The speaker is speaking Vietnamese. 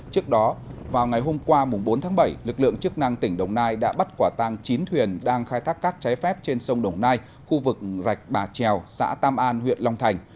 trước đó vào ngày hôm qua bốn tháng bảy lực lượng chức năng tỉnh đồng nai đã bắt quả tang chín thuyền đang khai thác cát trái phép trên sông đồng nai khu vực rạch bà trèo xã tam an huyện long thành